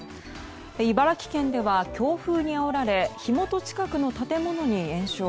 茨城県では強風にあおられ火元近くの建物に延焼。